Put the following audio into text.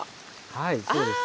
はいそうです。